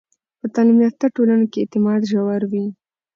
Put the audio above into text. په تعلیم یافته ټولنو کې اعتماد ژور وي.